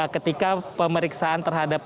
ketika pemeriksaan terhadap